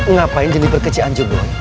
ngapain jeniper ke cianjur boy